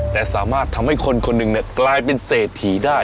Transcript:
แต่สามารถทำให้คนคนหนึ่งกลายเป็นเศรษฐีได้